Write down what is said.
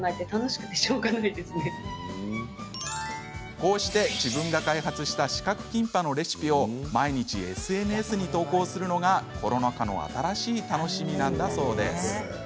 こうして自分が開発した四角キンパのレシピを毎日ＳＮＳに投稿するのがコロナ禍の新しい楽しみなんだそうです。